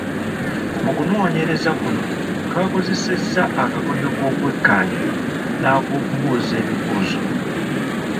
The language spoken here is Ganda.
Mu kunoonyereza kuno twakozesa akakodyo k’okwekkaanya n’ak’okubuuza ebibuuzo.